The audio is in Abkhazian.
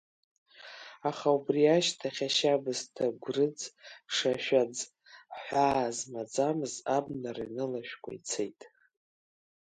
Аха убри ашьҭахь ашьабысҭа гәрыӡ-шашәаӡ, ҳәаа змаӡамыз абнара инылашәкәа ицеит.